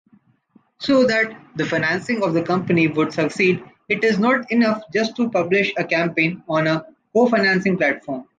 So that the financing of the company would succeed, it is not enough just to publish a campaign on a co-financing platform.